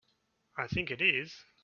I think it is.